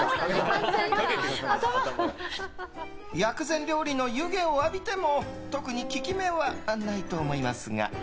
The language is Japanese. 薬膳料理の湯気を浴びても特に効き目はないと思いますが。